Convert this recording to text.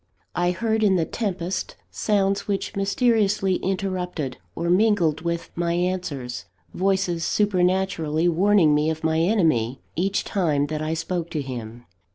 I heard in the tempest sounds which mysteriously interrupted, or mingled with, my answers, voices supernaturally warning me of my enemy, each time that I spoke to him.